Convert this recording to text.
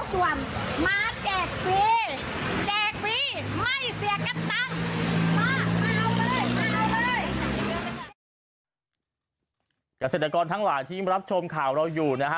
เกษตรกรทั้งหลายที่รับชมข่าวเราอยู่นะฮะ